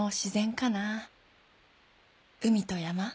海と山。